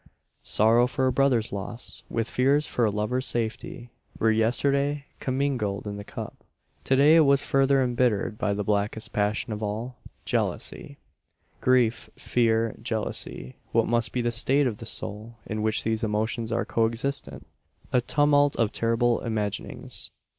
Sorrow for a brother's loss, with fears for a lover's safety, were yesterday commingled in the cup. To day it was further embittered by the blackest passion of all jealousy. Grief fear jealousy what must be the state of the soul in which these emotions are co existent? A tumult of terrible imaginings.